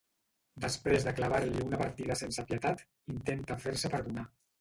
Després de clavar-li una partida sense pietat intenta fer-se perdonar.